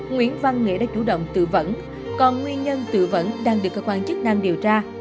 nguyễn văn nghĩa đã chủ động tự vẫn còn nguyên nhân tự vẫn đang được cơ quan chức năng điều tra